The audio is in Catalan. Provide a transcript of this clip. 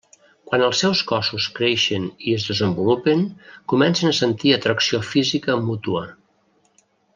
Quan els seus cossos creixen i es desenvolupen, comencen a sentir atracció física mútua.